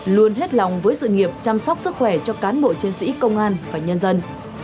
luôn hết lòng với sự nghiệp chăm sóc sức khỏe cho cán bộ chiến sĩ công an và nhân dân